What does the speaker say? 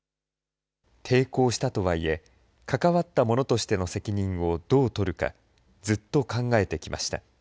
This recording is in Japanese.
抵抗したとはいえ、関わった者としての責任をどう取るか、ずっと考えてきました。